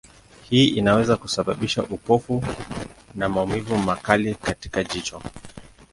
Hii inaweza kusababisha upofu na maumivu makali katika jicho.